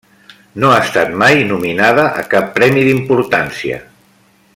No ha estat mai nominada a cap premi d'importància.